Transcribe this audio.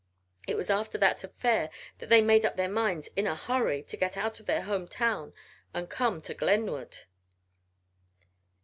It was after that affair that they made up their minds, in a hurry, to get out of their home town and come to Glenwood!"